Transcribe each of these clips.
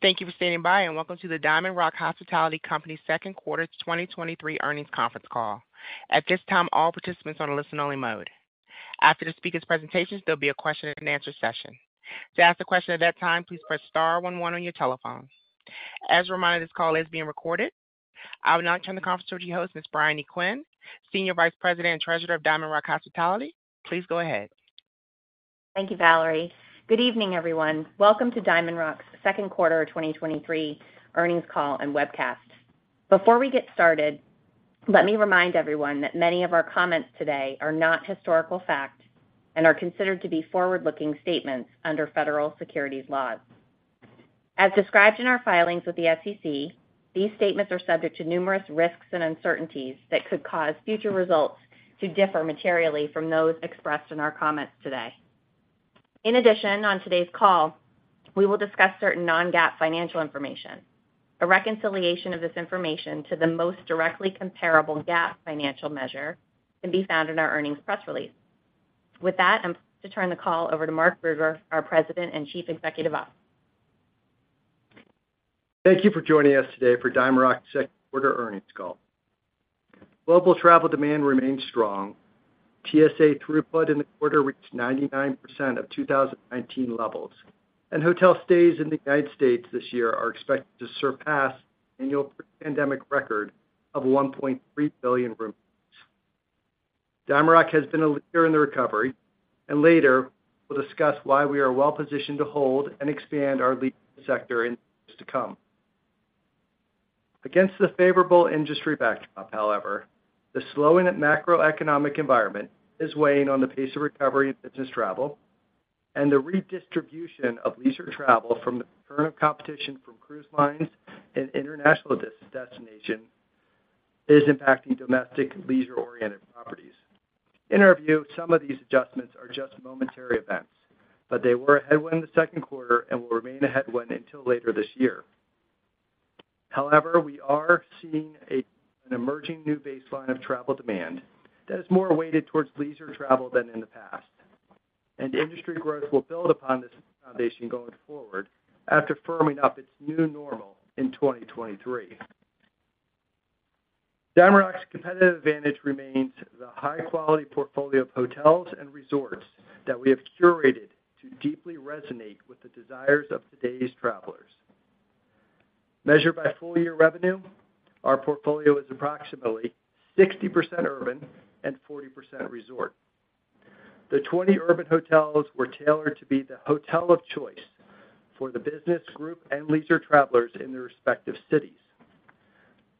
Thank you for standing by, and welcome to the DiamondRock Hospitality Company Second Quarter 2023 Earnings Conference Call. At this time, all participants are on a listen-only mode. After the speaker's presentations, there'll be a question and answer session. To ask a question at that time, please press star one one on your telephone. As a reminder, this call is being recorded. I would now turn the conference over to host, Ms. Briony Quinn, Senior Vice President and Treasurer of DiamondRock Hospitality. Please go ahead. Thank you, Valerie. Good evening, everyone. Welcome to DiamondRock's second quarter 2023 earnings call and webcast. Before we get started, let me remind everyone that many of our comments today are not historical facts and are considered to be forward-looking statements under federal securities laws. As described in our filings with the SEC, these statements are subject to numerous risks and uncertainties that could cause future results to differ materially from those expressed in our comments today. In addition, on today's call, we will discuss certain non-GAAP financial information. A reconciliation of this information to the most directly comparable GAAP financial measure can be found in our earnings press release. With that, I'm going to turn the call over to Mark Brugger, our President and Chief Executive Officer. Thank you for joining us today for DiamondRock's second quarter earnings call. Global travel demand remains strong. TSA throughput in the quarter reached 99% of 2019 levels, and hotel stays in the United States this year are expected to surpass annual pandemic record of 1.3 billion rooms. DiamondRock has been a leader in the recovery, and later, we'll discuss why we are well positioned to hold and expand our lead sector in years to come. Against the favorable industry backdrop, however, the slowing macroeconomic environment is weighing on the pace of recovery in business travel, and the redistribution of leisure travel from the current competition from cruise lines and international destination is impacting domestic leisure-oriented properties. In our view, some of these adjustments are just momentary events, but they were a headwind in the second quarter and will remain a headwind until later this year. However, we are seeing an emerging new baseline of travel demand that is more weighted towards leisure travel than in the past, and industry growth will build upon this foundation going forward after firming up its new normal in 2023. DiamondRock's competitive advantage remains the high-quality portfolio of hotels and resorts that we have curated to deeply resonate with the desires of today's travelers. Measured by full-year revenue, our portfolio is approximately 60% urban and 40% resort. The 20 urban hotels were tailored to be the hotel of choice for the business group and leisure travelers in their respective cities.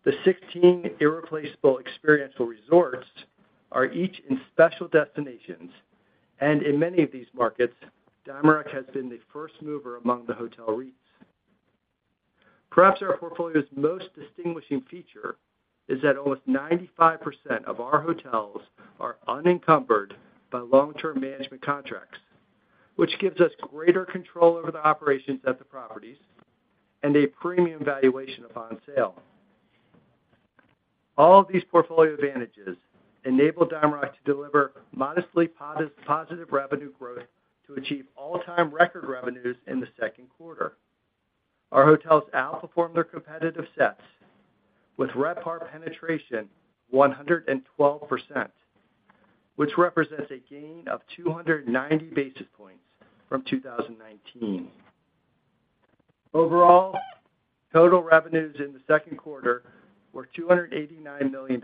The 16 irreplaceable experiential resorts are each in special destinations. In many of these markets, DiamondRock has been the first mover among the hotel REITs. Perhaps our portfolio's most distinguishing feature is that almost 95% of our hotels are unencumbered by long-term management contracts, which gives us greater control over the operations at the properties and a premium valuation upon sale. All of these portfolio advantages enable DiamondRock to deliver modestly positive revenue growth to achieve all-time record revenues in the second quarter. Our hotels outperformed their competitive sets with RevPAR penetration 112%, which represents a gain of 290 basis points from 2019. Overall, total revenues in the second quarter were $289 million,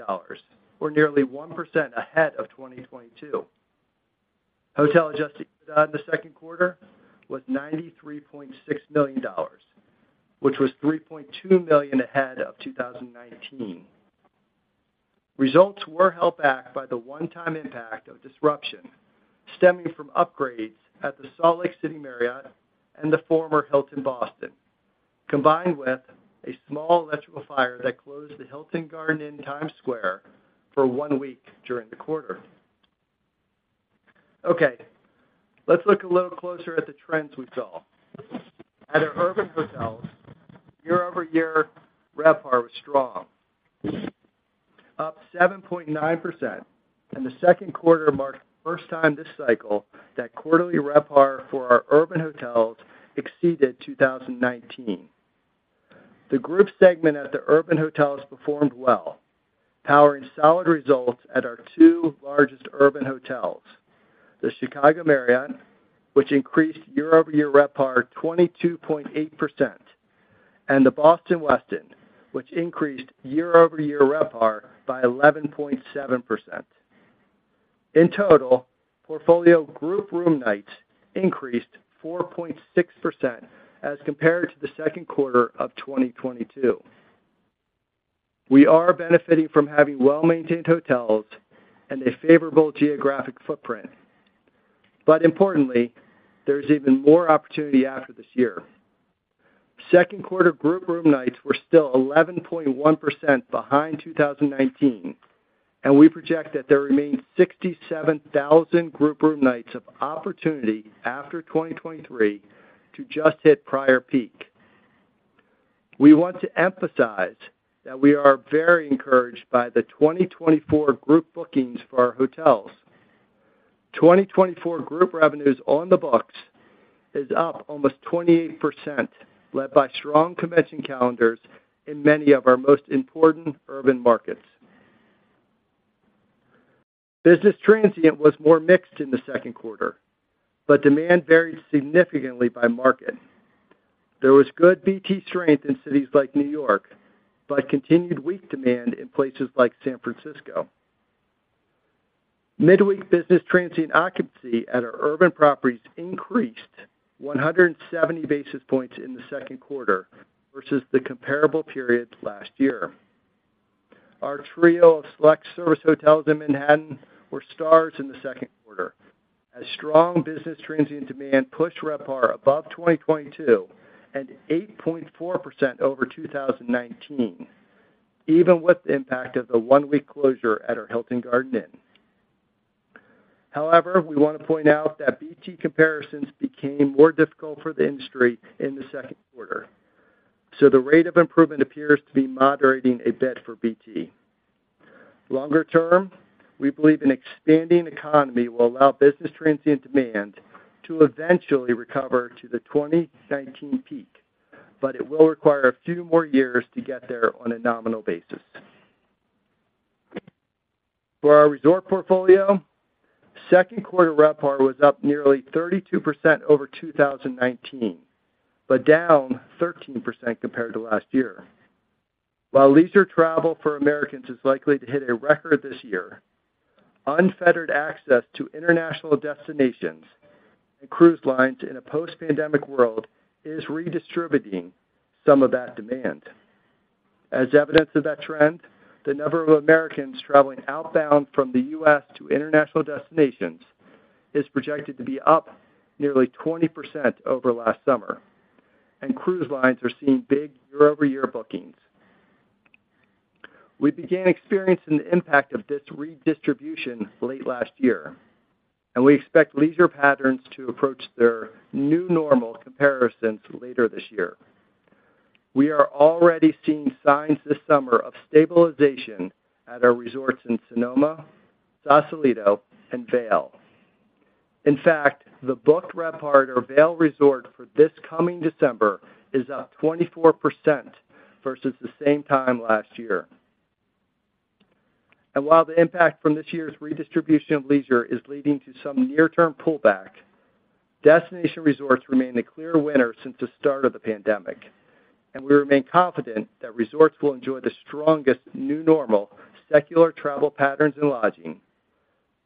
or nearly 1% ahead of 2022. Hotel adjusted EBITDA in the second quarter was $93.6 million, which was $3.2 million ahead of 2019. Results were held back by the one-time impact of disruption stemming from upgrades at the Salt Lake City Marriott and the former Hilton Boston, combined with a small electrical fire that closed the Hilton Garden Inn Times Square for one week during the quarter. Let's look a little closer at the trends we saw. At our urban hotels, year-over-year RevPAR was strong, up 7.9%, and the second quarter marked the first time this cycle that quarterly RevPAR for our urban hotels exceeded 2019. The group segment at the urban hotels performed well, powering solid results at our two largest urban hotels, the Chicago Marriott, which increased year-over-year RevPAR 22.8%, and the Boston Westin, which increased year-over-year RevPAR by 11.7%. In total, portfolio group room nights increased 4.6% as compared to the second quarter of 2022. Importantly, there's even more opportunity after this year. Second quarter group room nights were still 11.1% behind 2019, and we project that there remains 67,000 group room nights of opportunity after 2023 to just hit prior peak. We want to emphasize that we are very encouraged by the 2024 group bookings for our hotels. 2024 group revenues on the books is up almost 28%, led by strong convention calendars in many of our most important urban markets. Business transient was more mixed in the second quarter. Demand varied significantly by market. There was good BT strength in cities like New York, but continued weak demand in places like San Francisco. Midweek business transient occupancy at our urban properties increased 170 basis points in the second quarter versus the comparable period last year. Our trio of select service hotels in Manhattan were stars in the second quarter, as strong business transient demand pushed RevPAR above 2022 and 8.4% over 2019, even with the impact of the one-week closure at our Hilton Garden Inn. However, we want to point out that BT comparisons became more difficult for the industry in the second quarter, so the rate of improvement appears to be moderating a bit for BT. Longer term, we believe an expanding economy will allow business transient demand to eventually recover to the 2019 peak. It will require a few more years to get there on a nominal basis. For our resort portfolio, second quarter RevPAR was up nearly 32% over 2019, but down 13% compared to last year. While leisure travel for Americans is likely to hit a record this year, unfettered access to international destinations and cruise lines in a post-pandemic world is redistributing some of that demand. As evidence of that trend, the number of Americans traveling outbound from the U.S. to international destinations is projected to be up nearly 20% over last summer, cruise lines are seeing big year-over-year bookings. We began experiencing the impact of this redistribution late last year, we expect leisure patterns to approach their new normal comparisons later this year. We are already seeing signs this summer of stabilization at our resorts in Sonoma, Sausalito, and Vail. In fact, the book RevPAR at our Vail Resort for this coming December is up 24% versus the same time last year. While the impact from this year's redistribution of leisure is leading to some near-term pullback, destination resorts remain the clear winner since the start of the pandemic, and we remain confident that resorts will enjoy the strongest new normal secular travel patterns in lodging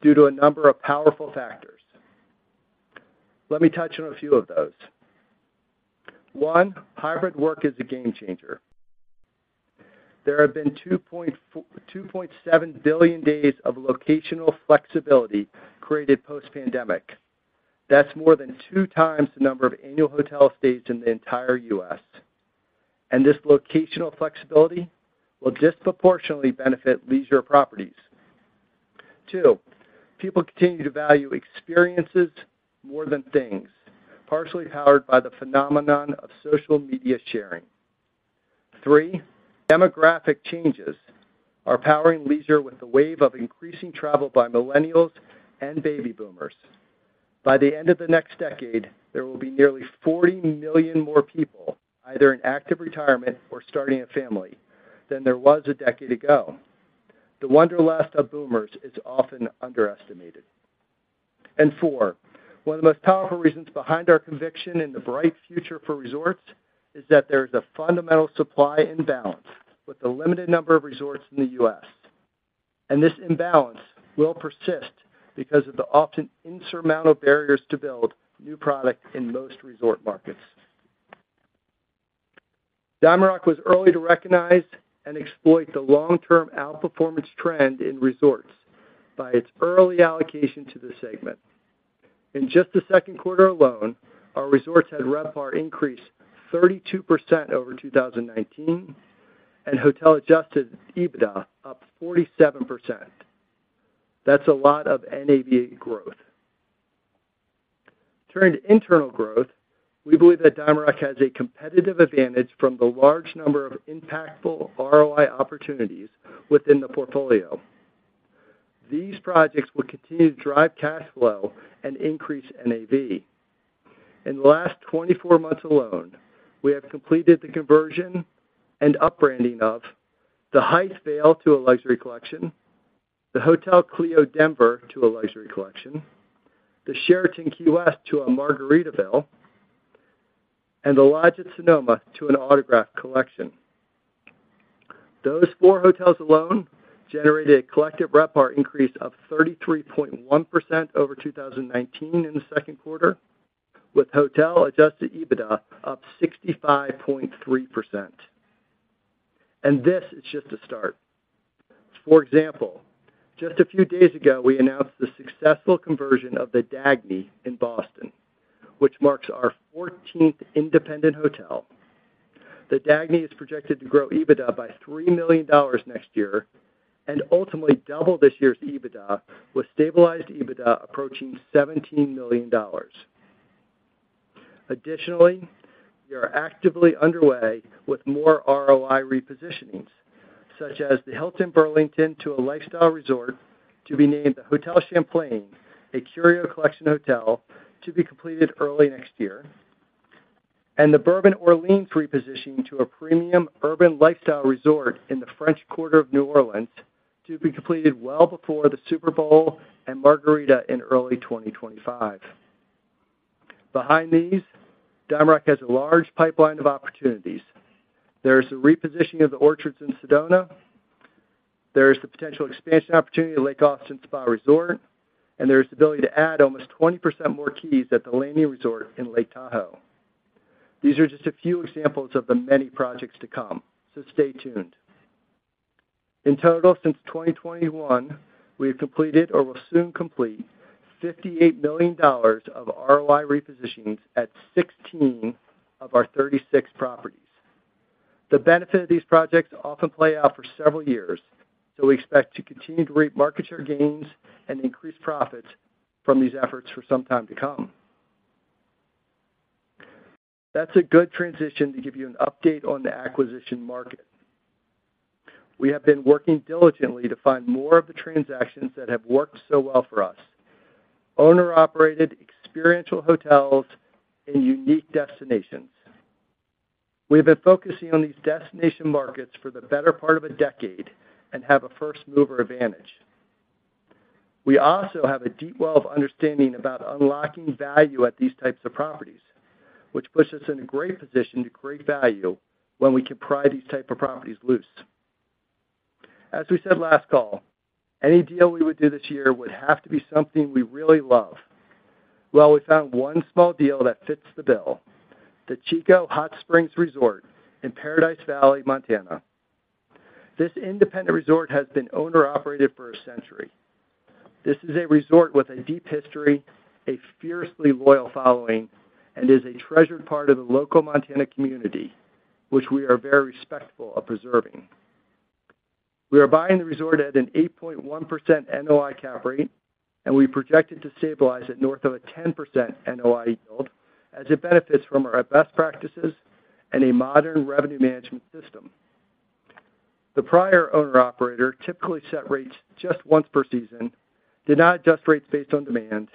due to a number of powerful factors. Let me touch on a few of those. One, hybrid work is a game changer. There have been 2.7 billion days of locational flexibility created post-pandemic. That's more than two times the number of annual hotel stays in the entire U.S., and this locational flexibility will disproportionately benefit leisure properties. Two, people continue to value experiences more than things, partially powered by the phenomenon of social media sharing. Three, demographic changes are powering leisure with a wave of increasing travel by millennials and baby boomers. By the end of the next decade, there will be nearly 40 million more people, either in active retirement or starting a family, than there was a decade ago. The wanderlust of boomers is often underestimated. Four, one of the most powerful reasons behind our conviction in the bright future for resorts is that there is a fundamental supply imbalance with a limited number of resorts in the U.S., and this imbalance will persist because of the often insurmountable barriers to build new product in most resort markets. DiamondRock was early to recognize and exploit the long-term outperformance trend in resorts by its early allocation to the segment. In just the second quarter alone, our resorts had RevPAR increase 32% over 2019, and hotel adjusted EBITDA up 47%. That's a lot of NAV growth. Turning to internal growth, we believe that DiamondRock has a competitive advantage from the large number of impactful ROI opportunities within the portfolio. These projects will continue to drive cash flow and increase NAV. In the last 24 months alone, we have completed the conversion and upbranding of the Hyatt Vail to a luxury collection, the Hotel Clio Denver to a luxury collection, the Sheraton Key West to a Margaritaville, and the Lodge at Sonoma to an Autograph Collection. Those four hotels alone generated a collective RevPAR increase of 33.1% over 2019 in the second quarter, with hotel-adjusted EBITDA up 65.3%. This is just the start. For example, just a few days ago, we announced the successful conversion of the Dagny in Boston, which marks our 14th independent hotel. The Dagny is projected to grow EBITDA by $3 million next year and ultimately double this year's EBITDA, with stabilized EBITDA approaching $17 million. Additionally, we are actively underway with more ROI repositionings, such as the Hilton Burlington to a lifestyle resort, to be named the Hotel Champlain, a Curio Collection Hotel, to be completed early next year, and the Bourbon Orleans repositioning to a premium urban lifestyle resort in the French Quarter of New Orleans, to be completed well before the Super Bowl and Mardi Gras in early 2025. Behind these, DiamondRock has a large pipeline of opportunities. There is the repositioning of The Orchards in Sedona, there is the potential expansion opportunity at Lake Austin Spa Resort, and there is the ability to add almost 20% more keys at the The Landing Resort in Lake Tahoe. These are just a few examples of the many projects to come, so stay tuned. In total, since 2021, we've completed or will soon complete $58 million of ROI repositionings at 16 of our 36 properties. The benefit of these projects often play out for several years, so we expect to continue to reap market share gains and increase profits from these efforts for some time to come. That's a good transition to give you an update on the acquisition market. We have been working diligently to find more of the transactions that have worked so well for us, owner-operated, experiential hotels in unique destinations. We have been focusing on these destination markets for the better part of a decade and have a first-mover advantage. We also have a deep well of understanding about unlocking value at these type of properties, which puts us in a great position to create value when we can pry these type of properties loose. As we said last call, any deal we would do this year would have to be something we really love. Well, we found one small deal that fits the bill, the Chico Hot Springs Resort in Paradise Valley, Montana. This independent resort has been owner-operated for a century. This is a resort with a deep history, a fiercely loyal following, and is a treasured part of the local Montana community, which we are very respectful of preserving. We are buying the resort at an 8.1% NOI cap rate, and we project it to stabilize at north of a 10% NOI yield as it benefits from our best practices and a modern revenue management system. The prior owner-operator typically set rates just once per season, did not adjust rates based on demand,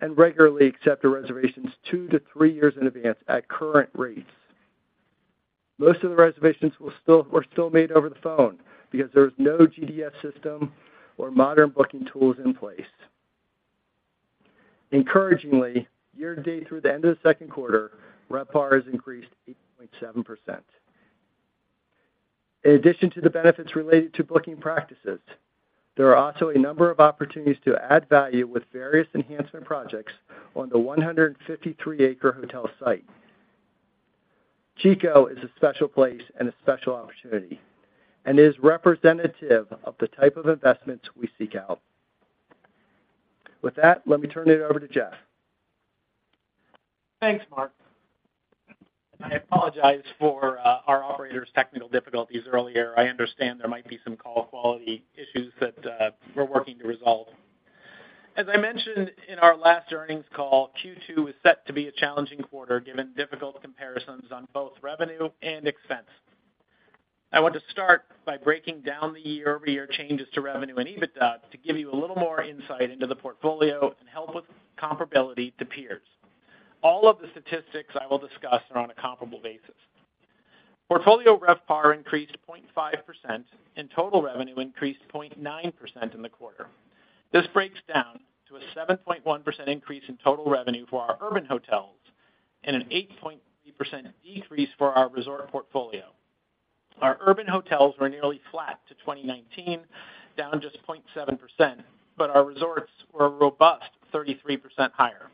and regularly accepted reservations 2-3 years in advance at current rates. Most of the reservations were still made over the phone because there was no GDS system or modern booking tools in place. Encouragingly, year-to-date through the end of the second quarter, RevPAR has increased 8.7%. In addition to the benefits related to booking practices, there are also a number of opportunities to add value with various enhancement projects on the 153-acre hotel site. Chico is a special place and a special opportunity, and is representative of the type of investments we seek out. With that, let me turn it over to Jeff. Thanks, Mark. I apologize for our operator's technical difficulties earlier. I understand there might be some call quality issues that we're working to resolve. As I mentioned in our last earnings call, Q2 is set to be a challenging quarter, given difficult comparisons on both revenue and expense. I want to start by breaking down the year-over-year changes to revenue and EBITDA to give you a little more insight into the portfolio and help with comparability to peers. All of the statistics I will discuss are on a comparable basis. Portfolio RevPAR increased 0.5%, total revenue increased 0.9% in the quarter. This breaks down to a 7.1% increase in total revenue for our urban hotels and an 8.3% decrease for our resort portfolio. Our urban hotels were nearly flat to 2019, down just 0.7%. Our resorts were a robust 33% higher.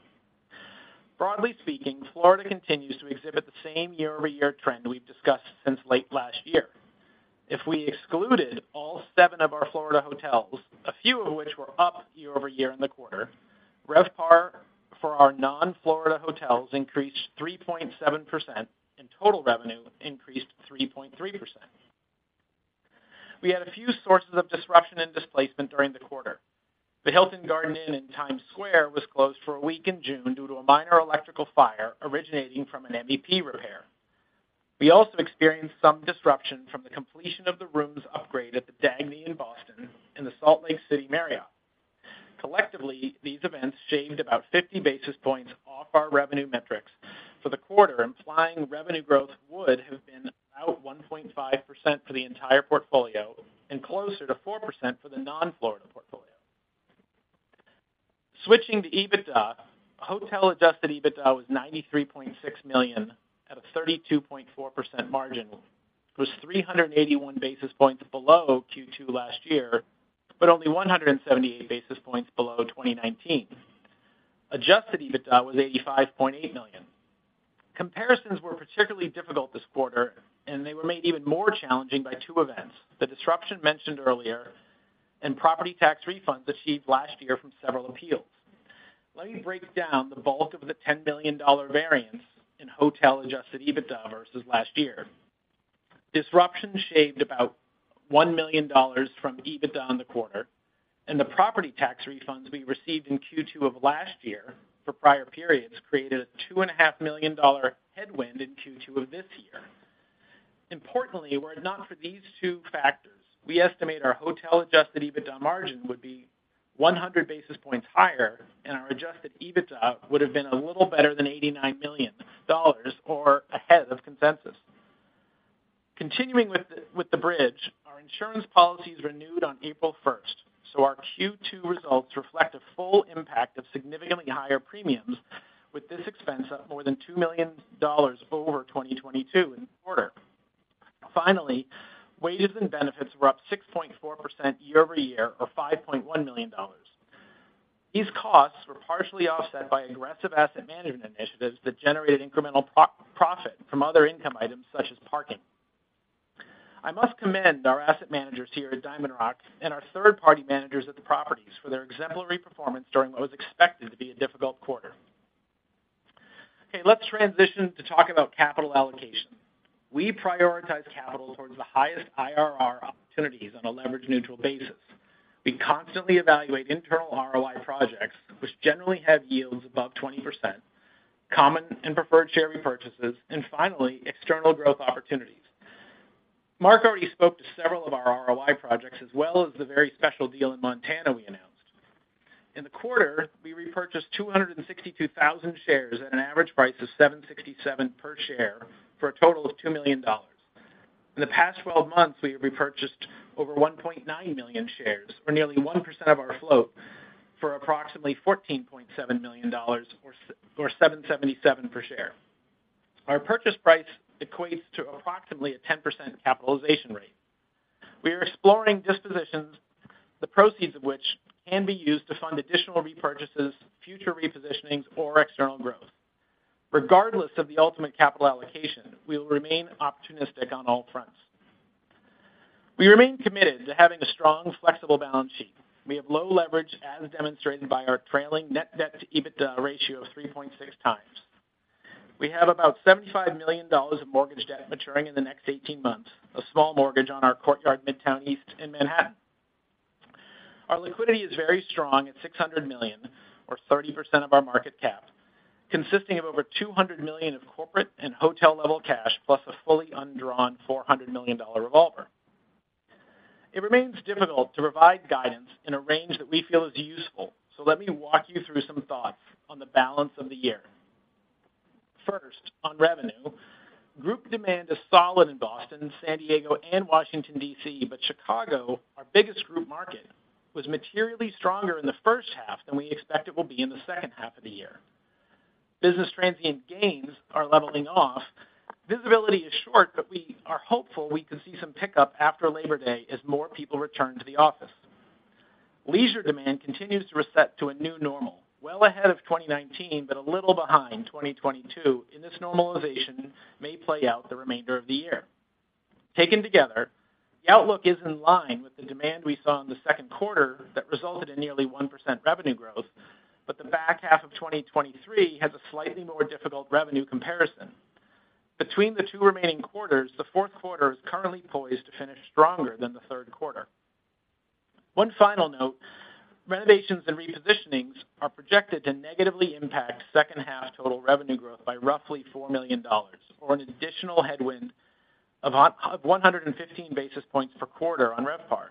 Broadly speaking, Florida continues to exhibit the same year-over-year trend we've discussed since late last year. If we excluded all 7 of our Florida hotels, a few of which were up year-over-year in the quarter, RevPAR for our non-Florida hotels increased 3.7%, and total revenue increased 3.3%. We had a few sources of disruption and displacement during the quarter. The Hilton Garden Inn in Times Square was closed for a week in June due to a minor electrical fire originating from an MEP repair. We also experienced some disruption from the completion of the rooms upgrade at the Dagny in Boston and the Salt Lake City Marriott. Collectively, these events shaved about 50 basis points off our revenue metrics for the quarter, implying revenue growth would have been about 1.5% for the entire portfolio and closer to 4% for the non-Florida portfolio. Switching to EBITDA, hotel-adjusted EBITDA was $93.6 million at a 32.4% margin, was 381 basis points below Q2 last year, but only 178 basis points below 2019. Adjusted EBITDA was $85.8 million. Comparisons were particularly difficult this quarter, and they were made even more challenging by two events: the disruption mentioned earlier and property tax refunds achieved last year from several appeals. Let me break down the bulk of the $10 million variance in hotel-adjusted EBITDA versus last year. disruption shaved about $1 million from EBITDA in the quarter. The property tax refunds we received in Q2 of last year for prior periods created a $2.5 million headwind in Q2 of this year. Importantly, were it not for these two factors, we estimate our hotel adjusted EBITDA margin would be 100 basis points higher. Our adjusted EBITDA would have been a little better than $89 million or ahead of consensus. Continuing with the bridge, our insurance policy is renewed on April 1st. Our Q2 results reflect a full impact of significantly higher premiums, with this expense up more than $2 million over 2022 in the quarter. Finally, wages and benefits were up 6.4% year-over-year, or $5.1 million. These costs were partially offset by aggressive asset management initiatives that generated incremental pro-profit from other income items such as parking. I must commend our asset managers here at DiamondRock and our third-party managers at the properties for their exemplary performance during what was expected to be a difficult quarter. Okay, let's transition to talk about capital allocation. We prioritize capital towards the highest IRR opportunities on a leverage-neutral basis. We constantly evaluate internal ROI projects, which generally have yields above 20%, common and preferred share repurchases, and finally, external growth opportunities. Mark already spoke to several of our ROI projects, as well as the very special deal in Montana we announced. In the quarter, we repurchased 262,000 shares at an average price of $7.67 per share, for a total of $2 million. In the past 12 months, we have repurchased over 1.9 million shares, or nearly 1% of our float, for approximately $14.7 million, or $7.77 per share. Our purchase price equates to approximately a 10% capitalization rate. We are exploring dispositions, the proceeds of which can be used to fund additional repurchases, future repositionings, or external growth. Regardless of the ultimate capital allocation, we will remain opportunistic on all fronts. We remain committed to having a strong, flexible balance sheet. We have low leverage, as demonstrated by our trailing net debt to EBITDA ratio of 3.6x. We have about $75 million of mortgage debt maturing in the next 18 months, a small mortgage on our Courtyard Midtown East in Manhattan. Our liquidity is very strong at $600 million, or 30% of our market cap, consisting of over $200 million of corporate and hotel-level cash, plus a fully undrawn $400 million dollar revolver. It remains difficult to provide guidance in a range that we feel is useful, so let me walk you through some thoughts on the balance of the year. First, on revenue, group demand is solid in Boston, San Diego, and Washington, D.C., but Chicago, our biggest group market, was materially stronger in the first half than we expect it will be in the second half of the year. Business transient gains are leveling off. Visibility is short, but we are hopeful we can see some pickup after Labor Day as more people return to the office. Leisure demand continues to reset to a new normal, well ahead of 2019, but a little behind 2022. This normalization may play out the remainder of the year. Taken together, the outlook is in line with the demand we saw in the second quarter that resulted in nearly 1% revenue growth. The back half of 2023 has a slightly more difficult revenue comparison. Between the 2 remaining quarters, the fourth quarter is currently poised to finish stronger than the third quarter. 1 final note: renovations and repositionings are projected to negatively impact second half total revenue growth by roughly $4 million, or an additional headwind of 115 basis points per quarter on RevPAR.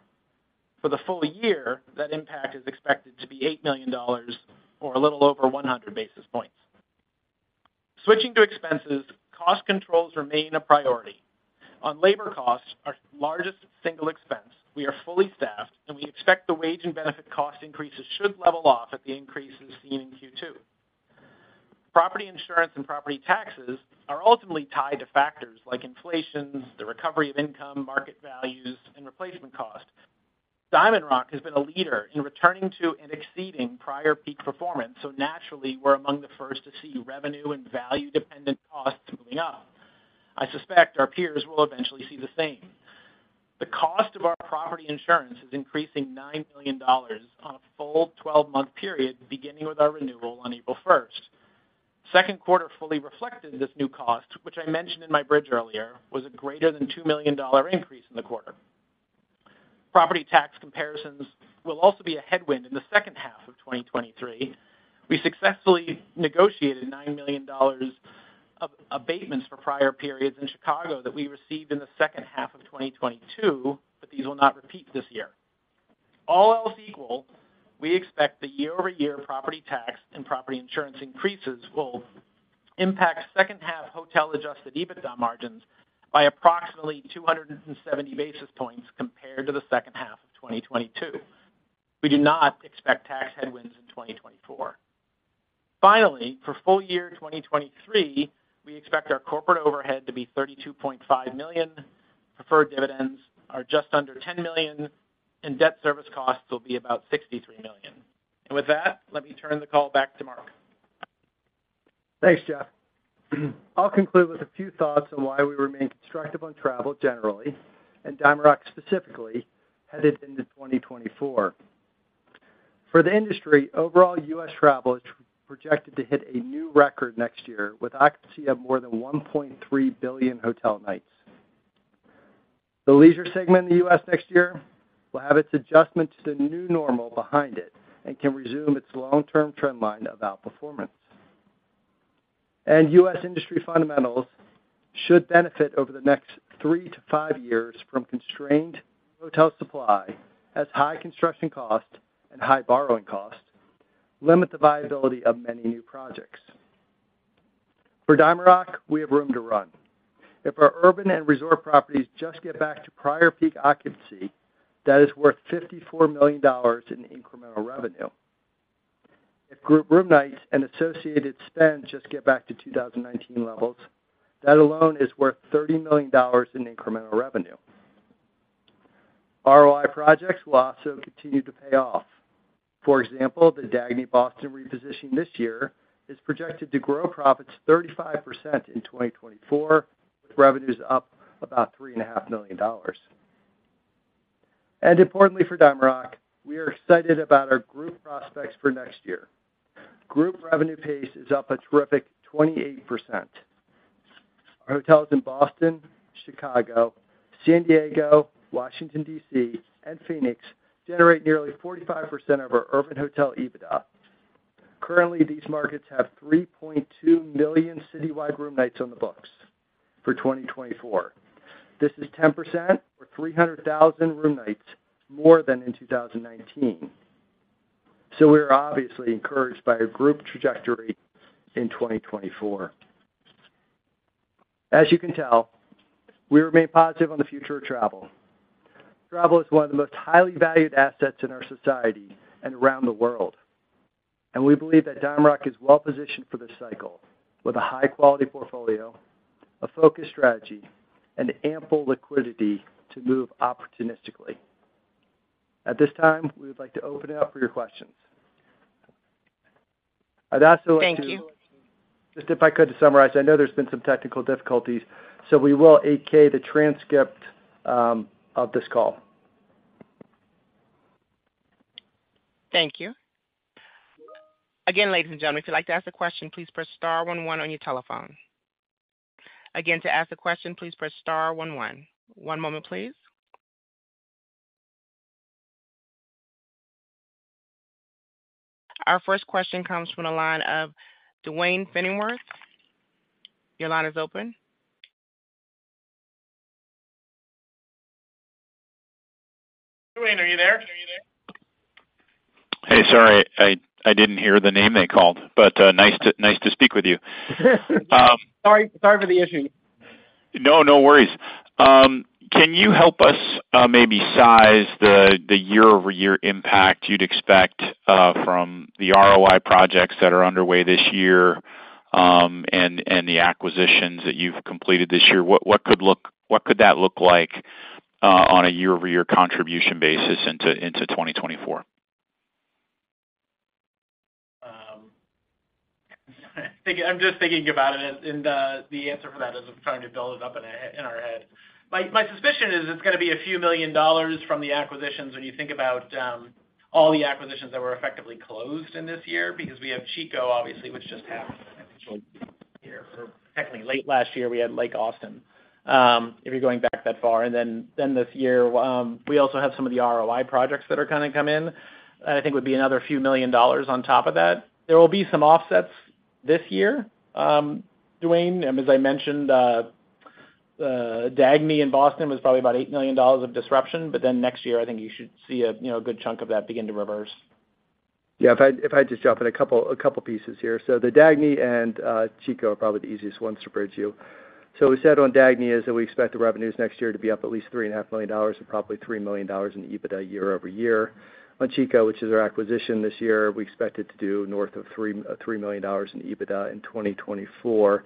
For the full year, that impact is expected to be $8 million, or a little over 100 basis points. Switching to expenses, cost controls remain a priority. On labor costs, our largest single expense, we are fully staffed, and we expect the wage and benefit cost increases should level off at the increases seen in Q2. Property insurance and property taxes are ultimately tied to factors like inflation, the recovery of income, market values, and replacement costs. Naturally, we're among the first to see revenue and value-dependent costs moving up. I suspect our peers will eventually see the same. The cost of our property insurance is increasing $9 million on a full 12-month period, beginning with our renewal on April 1st. Second quarter fully reflected this new cost, which I mentioned in my bridge earlier, was a greater than $2 million increase in the quarter. Property tax comparisons will also be a headwind in the second half of 2023. We successfully negotiated $9 million of abatements for prior periods in Chicago that we received in the second half of 2022, but these will not repeat this year. All else equal, we expect the year-over-year property tax and property insurance increases will impact second half hotel adjusted EBITDA margins by approximately 270 basis points compared to the second half of 2022. We do not expect tax headwinds in 2024. Finally, for full year 2023, we expect our corporate overhead to be $32.5 million, preferred dividends are just under $10 million, and debt service costs will be about $63 million. With that, let me turn the call back to Mark. Thanks, Jeff. I'll conclude with a few thoughts on why we remain constructive on travel generally, and DiamondRock specifically, headed into 2024. For the industry, overall, U.S. travel is projected to hit a new record next year, with occupancy of more than 1.3 billion hotel nights. The leisure segment in the U.S. next year will have its adjustments to the new normal behind it and can resume its long-term trend line of outperformance. U.S. industry fundamentals should benefit over the next three to five years from constrained hotel supply, as high construction costs and high borrowing costs limit the viability of many new projects. For DiamondRock, we have room to run. If our urban and resort properties just get back to prior peak occupancy, that is worth $54 million in incremental revenue. If group room nights and associated spend just get back to 2019 levels, that alone is worth $30 million in incremental revenue. ROI projects will also continue to pay off. For example, the Dagny Boston reposition this year is projected to grow profits 35% in 2024, with revenues up about $3.5 million. Importantly, for DiamondRock, we are excited about our group prospects for next year. Group revenue pace is up a terrific 28%. Our hotels in Boston, Chicago, San Diego, Washington, D.C., and Phoenix generate nearly 45% of our urban hotel EBITDA. Currently, these markets have 3.2 million citywide room nights on the books for 2024. This is 10% or 300,000 room nights more than in 2019. We are obviously encouraged by a group trajectory in 2024. As you can tell, we remain positive on the future of travel. Travel is 1 of the most highly valued assets in our society and around the world, and we believe that DiamondRock is well positioned for this cycle with a high-quality portfolio, a focused strategy, and ample liquidity to move opportunistically. At this time, we would like to open it up for your questions. I'd also like to- Thank you. Just if I could, to summarize, I know there's been some technical difficulties, so we will AK the transcript of this call. Thank you. Again, ladies and gentlemen, if you'd like to ask a question, please press star one one on your telephone. Again, to ask a question, please press star one one. One moment, please. Our first question comes from the line of Dwayne Fenningworth. Your line is open. Dwayne, are you there? Are you there? Hey, sorry, I, I didn't hear the name they called, but, nice to, nice to speak with you. Sorry, sorry for the issue. No, no worries. Can you help us maybe size the year-over-year impact you'd expect from the ROI projects that are underway this year, and the acquisitions that you've completed this year? What could that look like on a year-over-year contribution basis into 2024? I'm just thinking about it, and the answer for that is I'm trying to build it up in our head. My, my suspicion is it's gonna be a few million dollars from the acquisitions when you think about all the acquisitions that were effectively closed in this year, because we have Chico, obviously, which just happened here. Actually, late last year, we had Lake Austin, if you're going back that far, and then, this year, we also have some of the ROI projects that are gonna come in. I think would be another few million dollars on top of that. There will be some offsets this year, Dwayne, and as I mentioned, the Dagny in Boston was probably about $8 million of disruption, but then next year, I think you should see a, you know, a good chunk of that begin to reverse. Yeah, if I just jump in a couple pieces here. The Dagny and Chico are probably the easiest ones to bridge you. We said on Dagny is that we expect the revenues next year to be up at least $3.5 million, and probably $3 million in EBITDA year-over-year. On Chico, which is our acquisition this year, we expect it to do north of $3 million in EBITDA in 2024.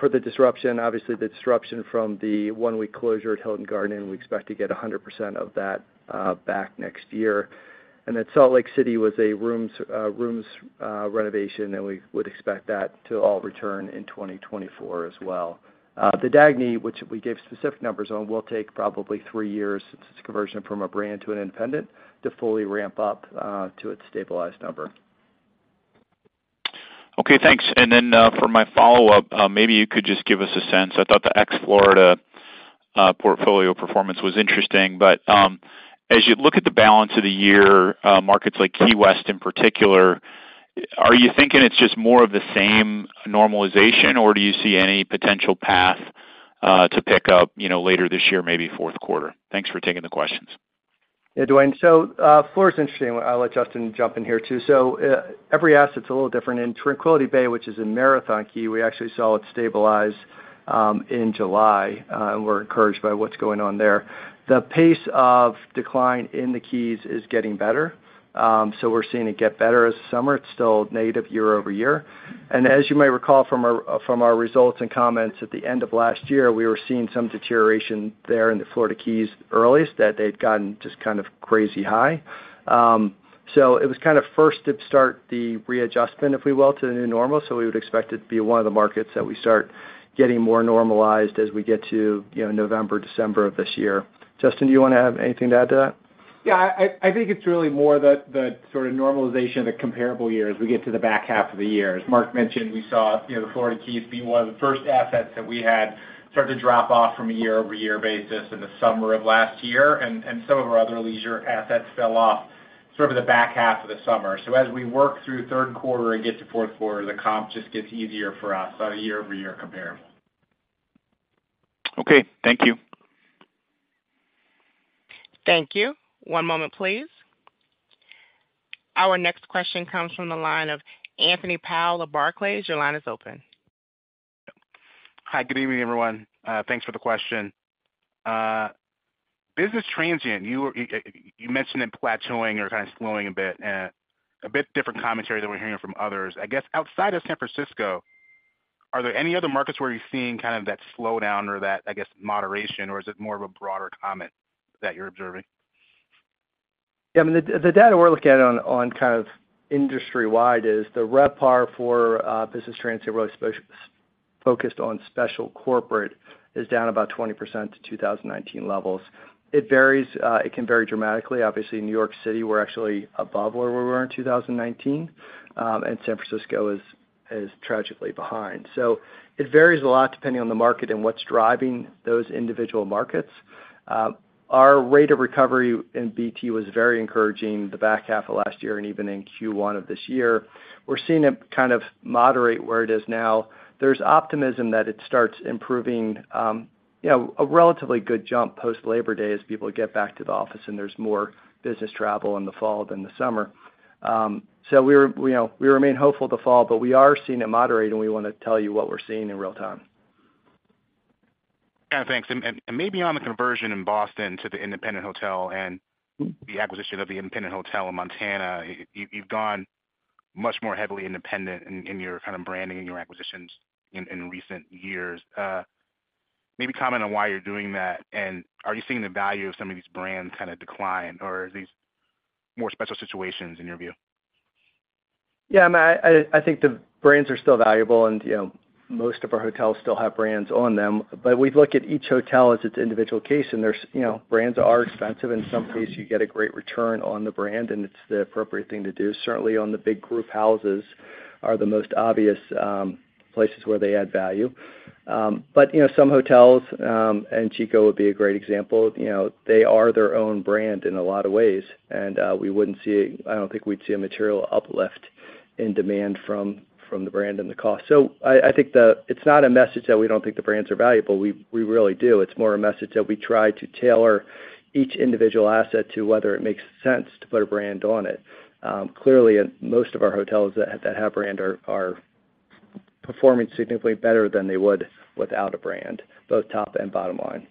For the disruption, obviously the disruption from the one-week closure at Hilton Garden, we expect to get 100% of that back next year. Salt Lake City was a rooms renovation, and we would expect that to all return in 2024 as well. The Dagny, which we gave specific numbers on, will take probably 3 years since it's a conversion from a brand to an independent to fully ramp up to its stabilized number. Okay, thanks. Then, for my follow-up, maybe you could just give us a sense. I thought the ex-Florida portfolio performance was interesting, as you look at the balance of the year, markets like Key West in particular, are you thinking it's just more of the same normalization, or do you see any potential path, to pick up, you know, later this year, maybe fourth quarter? Thanks for taking the questions. Yeah, Dwayne. Florida is interesting. I'll let Justin jump in here, too. Every asset's a little different. In Tranquility Bay, which is in Marathon Key, we actually saw it stabilize in July, and we're encouraged by what's going on there. The pace of decline in the Keys is getting better. We're seeing it get better as summer. It's still negative year-over-year. As you may recall from our, from our results and comments at the end of last year, we were seeing some deterioration there in the Florida Keys earliest that they'd gotten just kind of crazy high. It was kind of first dip start the readjustment, if we will, to the new normal. We would expect it to be one of the markets that we start getting more normalized as we get to, you know, November, December of this year. Justin, do you want to add anything to add to that? Yeah, I, I think it's really more the, the sort of normalization of the comparable year as we get to the back half of the year. As Mark mentioned, we saw, you know, the Florida Keys be one of the first assets that we had start to drop off from a year-over-year basis in the summer of last year, and, and some of our other leisure assets fell off sort of the back half of the summer. As we work through third quarter and get to fourth quarter, the comp just gets easier for us on a year-over-year comparable. Okay, thank you. Thank you. One moment, please. Our next question comes from the line of Anthony Powell of Barclays. Your line is open. Hi, good evening, everyone. Thanks for the question. Business transient, you, you mentioned it plateauing or kind of slowing a bit, and a bit different commentary than we're hearing from others. I guess, outside of San Francisco, are there any other markets where you're seeing kind of that slowdown or that, I guess, moderation? Or is it more of a broader comment that you're observing? I mean, the, the data we're looking at on, on kind of industry-wide is the RevPAR for business transient really focused on special corporate, is down about 20% to 2019 levels. It varies, it can vary dramatically. Obviously, in New York City, we're actually above where we were in 2019, and San Francisco is, is tragically behind. It varies a lot depending on the market and what's driving those individual markets. Our rate of recovery in BT was very encouraging the back half of last year and even in Q1 of this year. We're seeing it kind of moderate where it is now. There's optimism that it starts improving, you know, a relatively good jump post Labor Day as people get back to the office, and there's more business travel in the fall than the summer. We're, you know, we remain hopeful the fall, but we are seeing it moderate, and we want to tell you what we're seeing in real time. Yeah, thanks. Maybe on the conversion in Boston to the independent hotel and the acquisition of the independent hotel in Montana, you've gone much more heavily independent in your kind of branding and your acquisitions in recent years. Maybe comment on why you're doing that, and are you seeing the value of some of these brands kind of decline, or are these more special situations in your view? Yeah, I, I think the brands are still valuable, and, you know, most of our hotels still have brands on them. We look at each hotel as its individual case, and there's, you know, brands are expensive. In some cases, you get a great return on the brand, and it's the appropriate thing to do. Certainly, on the big group houses are the most obvious places where they add value. You know, some hotels, and Chico would be a great example, you know, they are their own brand in a lot of ways, and I don't think we'd see a material uplift in demand from, from the brand and the cost. I, I think it's not a message that we don't think the brands are valuable. We, we really do. It's more a message that we try to tailor each individual asset to whether it makes sense to put a brand on it. Clearly, in most of our hotels that, that have brand are, are performing significantly better than they would without a brand, both top and bottom line.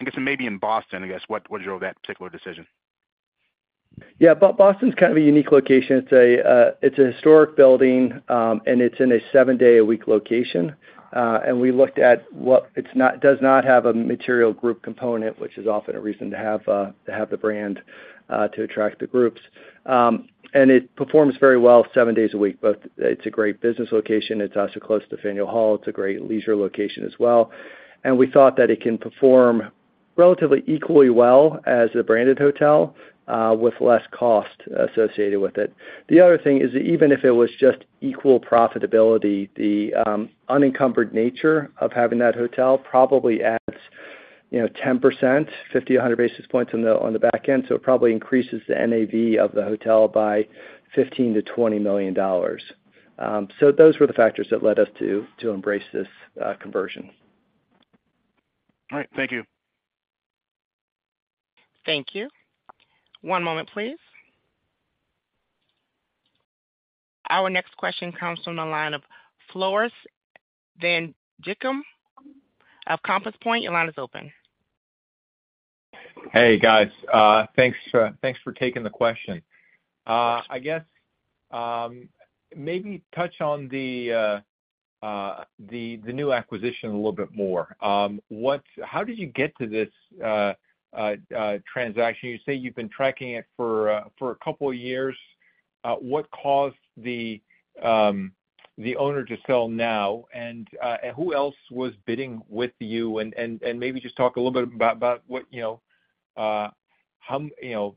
I guess, maybe in Boston, I guess, what, what drove that particular decision? Yeah, Boston's kind of a unique location. It's a, it's a historic building, and it's in a seven-day-a-week location. We looked at what... It does not have a material group component, which is often a reason to have, to have the brand, to attract the groups. It performs very well seven days a week, but it's a great business location. It's also close to Faneuil Hall. It's a great leisure location as well, and we thought that it can perform relatively equally well as a branded hotel, with less cost associated with it. The other thing is, even if it was just equal profitability, the unencumbered nature of having that hotel probably adds, you know, 10%, 50-100 basis points on the, on the back end, so it probably increases the NAV of the hotel by $15 million-$20 million. Those were the factors that led us to embrace this conversion. All right. Thank you. Thank you. One moment, please. Our next question comes from the line of Floris van Dijkum of Compass Point. Your line is open. Hey, guys, thanks, thanks for taking the question. I guess, maybe touch on the new acquisition a little bit more. How did you get to this transaction? You say you've been tracking it for a couple of years. What caused the owner to sell now? Who else was bidding with you? Maybe just talk a little bit about, about what, you know, how, you know,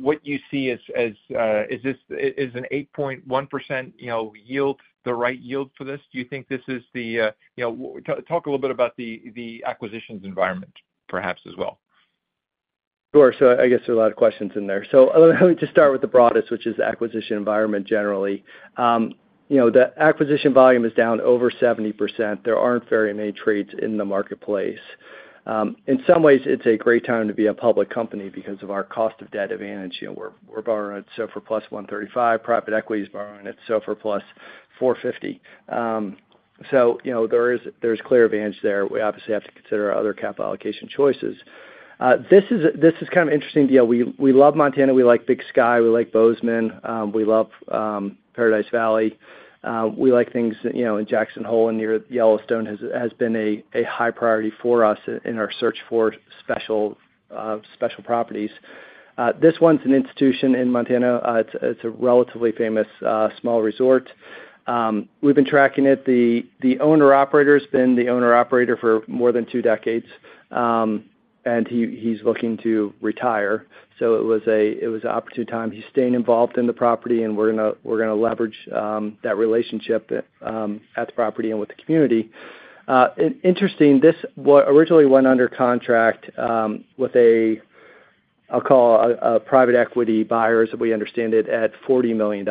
what you see as, as, is an 8.1%, you know, yield, the right yield for this? Do you think this is the, you know? Talk a little bit about the acquisitions environment, perhaps as well. Sure. I guess there are a lot of questions in there. Let me just start with the broadest, which is the acquisition environment generally. You know, the acquisition volume is down over 70%. There aren't very many trades in the marketplace. In some ways, it's a great time to be a public company because of our cost of debt advantage. You know, we're borrowing at SOFR plus 135, private equity is borrowing at SOFR plus 450. You know, there is, there's clear advantage there. We obviously have to consider our other capital allocation choices. This is, this is kind of interesting deal. We love Montana, we like Big Sky, we like Bozeman, we love Paradise Valley. We like things, you know, in Jackson Hole and near Yellowstone has, has been a, a high priority for us in our search for special properties. This one's an institution in Montana. It's, it's a relatively famous small resort. We've been tracking it. The, the owner-operator's been the owner-operator for more than 2 decades, and he, he's looking to retire, so it was a, it was an opportune time. He's staying involved in the property, and we're gonna, we're gonna leverage that relationship at the property and with the community. Interesting, this originally went under contract with a, I'll call a, a private equity buyers, we understand it, at $40 million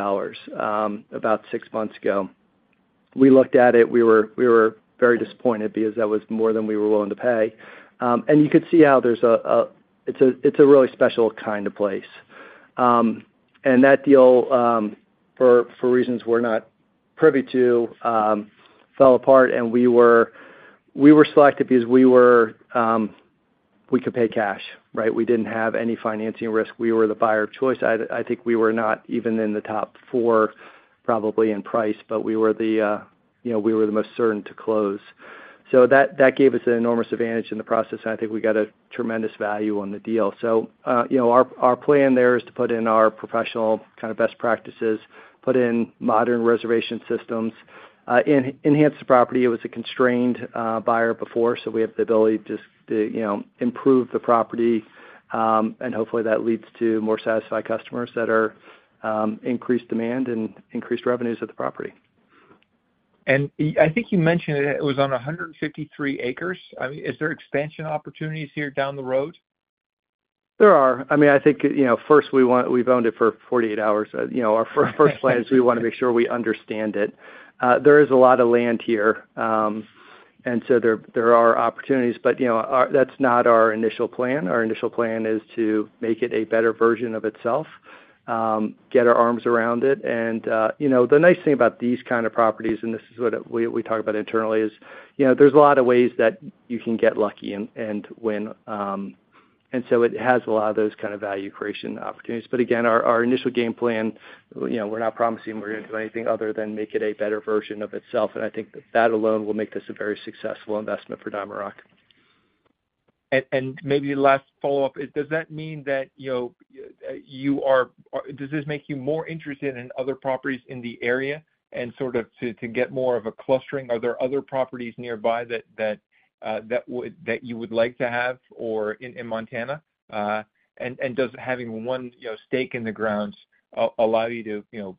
about 6 months ago. We looked at it. We were, we were very disappointed because that was more than we were willing to pay. And you could see how there's a, it's a, it's a really special kind of place. And that deal, for, for reasons we're not privy to, fell apart, and we were, we were selected because we were, we could pay cash, right? We didn't have any financing risk. We were the buyer of choice. I, I think we were not even in the top four, probably in price, but we were the, you know, we were the most certain to close. That, that gave us an enormous advantage in the process, and I think we got a tremendous value on the deal. You know, our, our plan there is to put in our professional kind of best practices, put in modern reservation systems, enhance the property. It was a constrained buyer before, so we have the ability to, you know, improve the property, and hopefully, that leads to more satisfied customers that are increased demand and increased revenues at the property. I think you mentioned it was on 153 acres. I mean, is there expansion opportunities here down the road? There are. I mean, I think, you know, first, we've owned it for 48 hours. You know, our first plan is we wanna make sure we understand it. There is a lot of land here, and so there, there are opportunities, but, you know, our... That's not our initial plan. Our initial plan is to make it a better version of itself, get our arms around it. You know, the nice thing about these kind of properties, and this is what we, we talk about internally, is, you know, there's a lot of ways that you can get lucky and, and win, and so it has a lot of those kind of value creation opportunities. Again, our, our initial game plan, you know, we're not promising we're gonna do anything other than make it a better version of itself, and I think that alone will make this a very successful investment for DiamondRock. Maybe last follow-up, does that mean that, you know, you are, are? Does this make you more interested in other properties in the area and sort of to, to get more of a clustering? Are there other properties nearby that, that, that you would like to have or in, in Montana? Does having one, you know, stake in the ground allow you to, you know,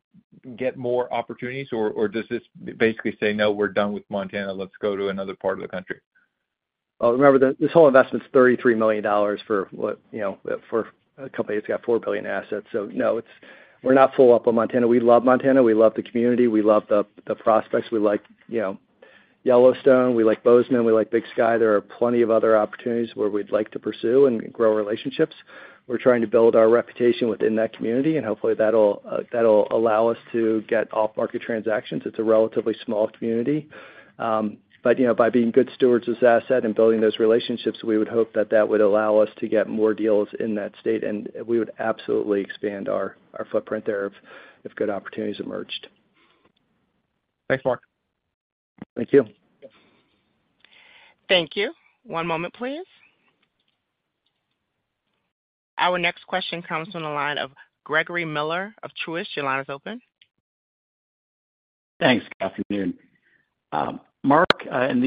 get more opportunities, or, or does this basically say, 'No, we're done with Montana, let's go to another part of the country?' Remember that this whole investment is $33 million for what, you know, for a company that's got $4 billion assets. No, it's-- we're not full up on Montana. We love Montana, we love the community, we love the, the prospects. We like, you know, Yellowstone, we like Bozeman, we like Big Sky. There are plenty of other opportunities where we'd like to pursue and grow relationships. We're trying to build our reputation within that community, hopefully, that'll, that'll allow us to get off-market transactions. It's a relatively small community. You know, by being good stewards of the asset and building those relationships, we would hope that that would allow us to get more deals in that state, and we would absolutely expand our, our footprint there if, if good opportunities emerged. Thanks, Mark. Thank you. Thank you. One moment, please. Our next question comes from the line of Gregory Miller of Truist. Your line is open. Thanks. Good afternoon. Mark Brugger, in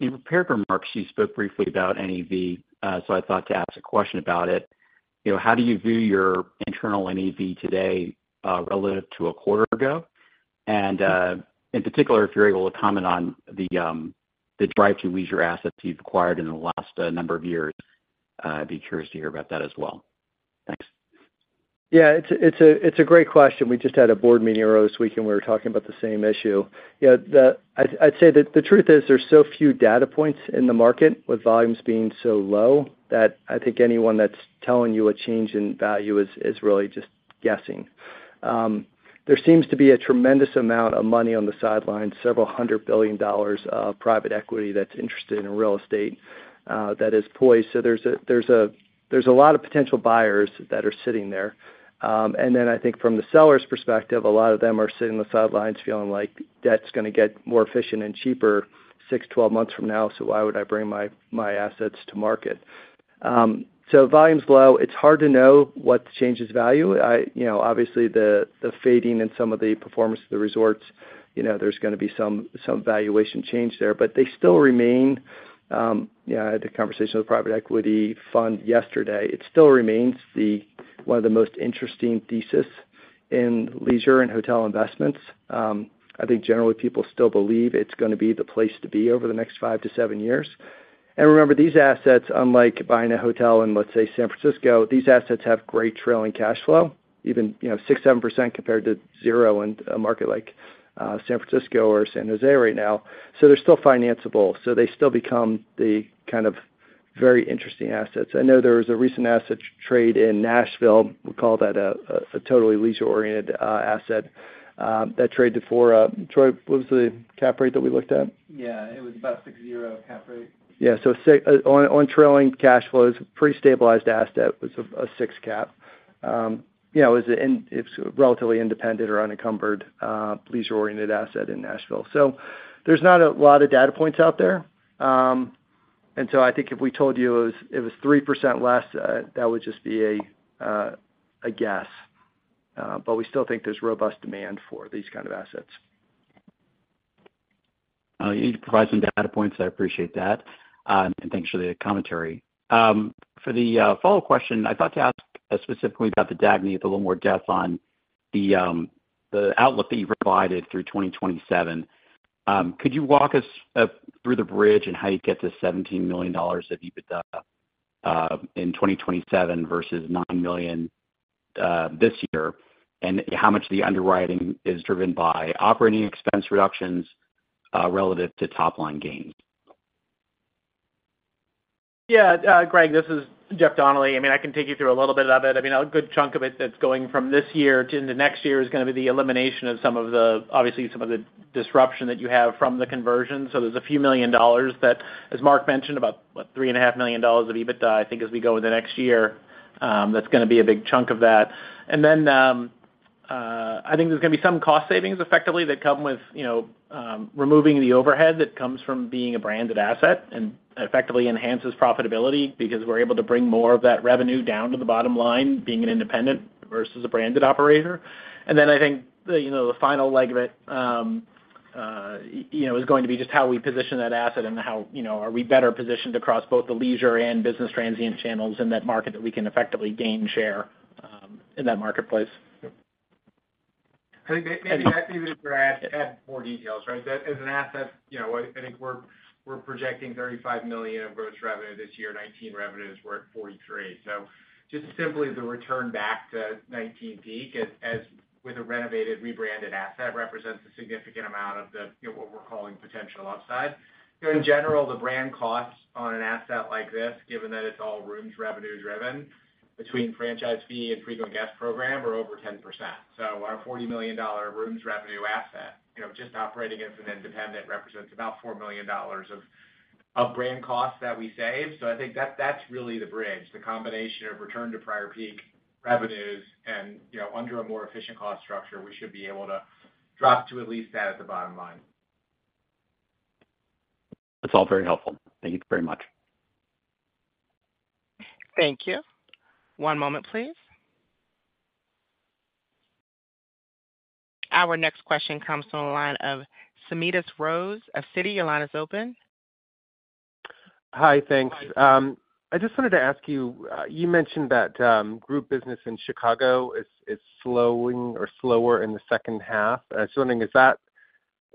your prepared remarks, you spoke briefly about NAV, I thought to ask a question about it. You know, how do you view your internal NAV today, relative to a quarter ago? In particular, if you're able to comment on the drive-through leisure assets you've acquired in the last number of years, I'd be curious to hear about that as well. Thanks. Yeah, it's a great question. We just had a board meeting earlier this week, and we were talking about the same issue. Yeah, the... I'd say that the truth is there's so few data points in the market, with volumes being so low, that I think anyone that's telling you a change in value is really just guessing. There seems to be a tremendous amount of money on the sidelines, $several hundred billion of private equity that's interested in real estate, that is poised. There's a lot of potential buyers that are sitting there. And then I think from the seller's perspective, a lot of them are sitting on the sidelines feeling like debt's gonna get more efficient and cheaper 6, 12 months from now, so why would I bring my assets to market? Volume's low. It's hard to know what changes value. I, you know, obviously, the fading in some of the performance of the resorts, you know, there's gonna be some valuation change there, but they still remain, yeah, I had a conversation with a private equity fund yesterday. It still remains one of the most interesting thesis in leisure and hotel investments. I think generally, people still believe it's gonna be the place to be over the next 5 to 7 years. Remember, these assets, unlike buying a hotel in, let's say, San Francisco, these assets have great trailing cash flow, even, you know, 6%-7% compared to 0 in a market like San Francisco or San Jose right now. They're still financeable, so they still become the kind of very interesting assets. I know there was a recent asset trade in Nashville, we call that a, a totally leisure-oriented, asset, that traded for... Troy, what was the cap rate that we looked at? Yeah, it was about 6.0% cap rate. Yeah, on, on trailing cash flows, pretty stabilized asset. It's a 6 cap. You know, is it in, it's relatively independent or unencumbered, leisure-oriented asset in Nashville. There's not a lot of data points out there. I think if we told you it was, it was 3% less, that would just be a guess. We still think there's robust demand for these kind of assets. You provide some data points. I appreciate that, and thanks for the commentary. For the follow question, I thought to ask specifically about the Dagny with a little more depth on the outlook that you provided through 2027. Could you walk us through the bridge and how you get to $17 million of EBITDA in 2027 versus $9 million this year? How much of the underwriting is driven by operating expense reductions relative to top-line gains? Yeah, Greg, this is Jeff Donnelly. I mean, I can take you through a little bit of it. I mean, a good chunk of it that's going from this year to the next year is gonna be the elimination of some of the, obviously, some of the disruption that you have from the conversion. There's a few million dollars that, as Mark Brugger mentioned, about, what? $3.5 million of EBITDA, I think, as we go into next year, that's gonna be a big chunk of that. I think there's gonna be some cost savings effectively that come with, you know, removing the overhead that comes from being a branded asset and effectively enhances profitability because we're able to bring more of that revenue down to the bottom line, being an independent versus a branded operator. Then I think the, you know, the final leg of it, you know, is going to be just how we position that asset and how, you know, are we better positioned across both the leisure and business transient channels in that market that we can effectively gain share, in that marketplace. I think maybe, Matthew, could add, add more details, right? That as an asset, you know, I, I think we're, we're projecting $35 million of gross revenue this year, 2019 revenues, we're at $43 million. Just simply the return back to 2019 peak, as, as with a renovated, rebranded asset, represents a significant amount of the, you know, what we're calling potential upside. In general, the brand costs on an asset like this, given that it's all rooms revenue driven, between franchise fee and frequent guest program, are over 10%. Our $40 million rooms revenue asset, you know, just operating as an independent, represents about $4 million of, of brand costs that we save. I think that's really the bridge, the combination of return to prior peak revenues and, you know, under a more efficient cost structure, we should be able to drop to at least that as a bottom line. That's all very helpful. Thank you very much. Thank you. One moment, please. Our next question comes from the line of Smedes Rose of Citi. Your line is open. Hi, thanks. I just wanted to ask you, you mentioned that group business in Chicago is, is slowing or slower in the second half. I'm thinking, is that